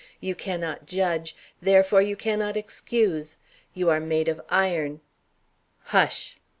You cannot judge; therefore you cannot excuse. You are made of iron " "Hush!"